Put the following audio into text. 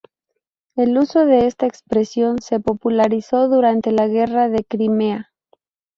El uso de esta expresión se popularizó durante la Guerra de Crimea.